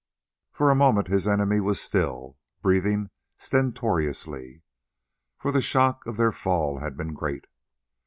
For a moment his enemy was still, breathing stertorously, for the shock of their fall had been great.